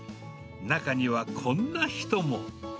中にはこんな人も。